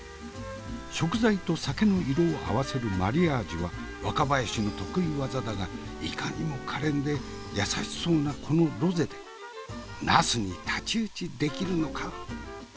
食材と酒の色を合わせるマリアージュは若林の得意技だがいかにもかれんで優しそうなこのロゼでナスに太刀打ちできるのか？